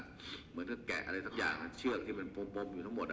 เหมือนกับแกะอะไรสักอย่างเชือกที่มันปมอยู่ทั้งหมด